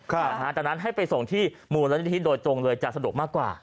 จากนั้นให้ไปส่งที่มูลนิธิโดยตรงเลยจะสะดวกมากกว่า